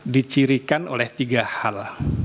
dicirikan oleh tiga hal